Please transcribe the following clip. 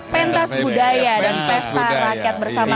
pentas budaya dan pesta rakyat bersama